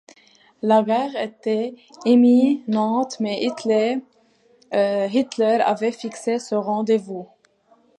La guerre était imminente mais Hitler avait fixé ce rendez-vous.